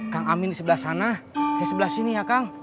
kang amin di sebelah sana di sebelah sini ya kang